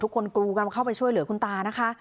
กรูกันเข้าไปช่วยเหลือคุณตานะคะ